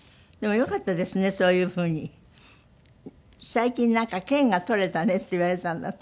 最近「険が取れたね」って言われたんだって？